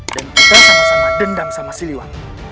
dan kita sama sama dendam sama siliwangi